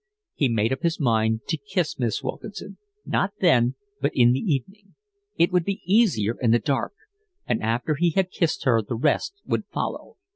He made up his mind to kiss Miss Wilkinson; not then, but in the evening; it would be easier in the dark, and after he had kissed her the rest would follow.